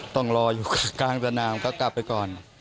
ต้องรออยู่กลางสนามก็กลับไปก่อน